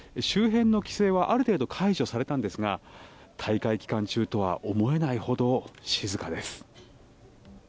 周辺の規制はある程度解除されたんですが大会期間中とは思えないほど静かです。